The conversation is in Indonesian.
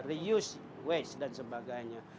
reuse waste dan sebagainya